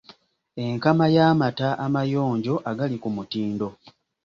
Enkama y’amata amayonjo agali ku mutindo.